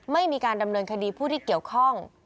ไม่มีการดำเนินคดีผู้ที่เกี่ยวข้อง